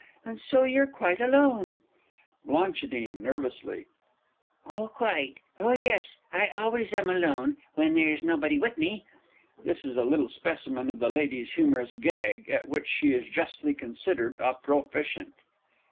And so you're quite alone? Bl. Oh, quite oh yes, I always am alone, when there's nobody with me. [_This is a little specimen of the Lady's humorous "gag," at which she is justly considered a proficient.